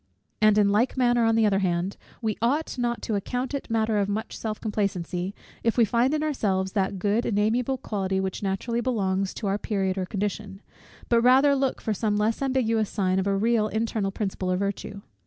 And in like manner, on the other hand, we ought not to account it matter of much self complacency, if we find in ourselves that good and amiable quality which naturally belongs to our period or condition; but rather look for some less ambiguous sign of a real internal principle of virtue.